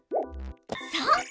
そう。